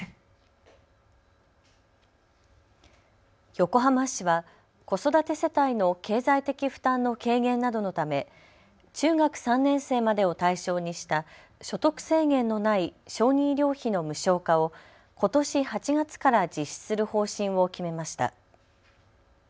横浜市は子育て世帯の経済的負担の軽減などのため中学３年生までを対象にした所得制限のない小児医療費の無償化をことし８月から実施する方針を決めました。